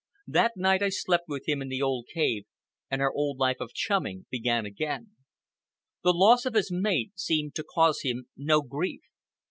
That night I slept with him in the old cave, and our old life of chumming began again. The loss of his mate seemed to cause him no grief.